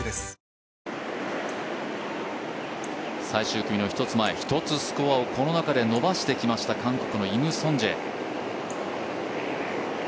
最終組の一つ前１つスコアをこの中で伸ばしてきました韓国のイム・ソンジェ。